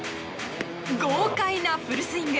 豪快なフルスイング。